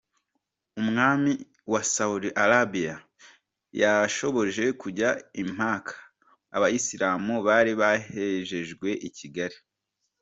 Umwami wa Saudi Arabia yashoboje kujya i Maka Abayisilamu bari bahejejwe i Kigali.